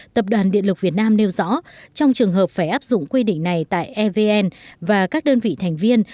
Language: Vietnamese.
tập đoàn điện lực việt nam nêu rõ trong trường hợp phải áp dụng quy định này tại evn và các đơn vị thành viên